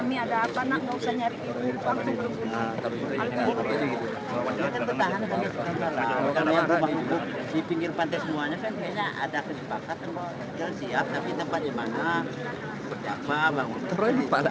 ini memang lokasi yang dimbal maka persiap dimbal